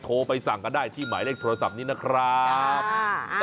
โทรไปสั่งกันได้ที่หมายเลขโทรศัพท์นี้นะครับ